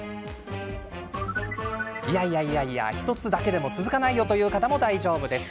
いやいや、１つだけでも続かないという方も大丈夫です。